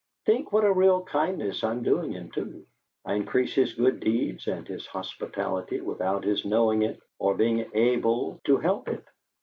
Think what a real kindness I'm doing him, too. I increase his good deeds and his hospitality without his knowing it or being able to help it.